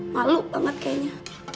malu banget kayaknya